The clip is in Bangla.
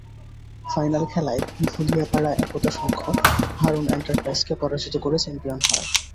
ফাইনাল খেলায় ভুলিয়াপাড়া একতা সংঘ হারুন এন্টারপ্রাইজকে পরাজিত করে চ্যাম্পিয়ন হয়।